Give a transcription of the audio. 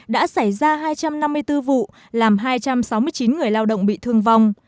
đã xảy ra hai trăm năm mươi bốn vụ làm hai trăm sáu mươi chín người lao động bị thương vong